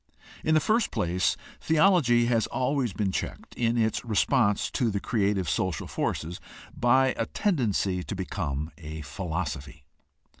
— In the first place, theology has always been checked in its response to the creative social forces by a tendency to become a philosophy.